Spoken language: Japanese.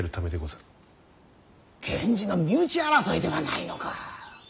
源氏の身内争いではないのか。